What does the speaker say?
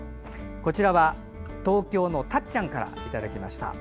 こちらは東京のたっちゃんからいただきました。